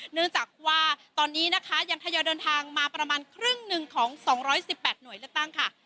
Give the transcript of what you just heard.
เนื่องจากว่าตอนนี้นะคะยังทยอยเดินทางมาประมาณครึ่งหนึ่งของ๒๑๘หน่วยเลือกตั้งค่ะ